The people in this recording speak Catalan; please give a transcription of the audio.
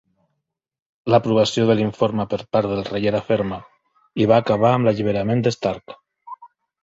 L'aprovació de l'informe per part del rei era ferma, i va acabar amb l'alliberament d'Stark.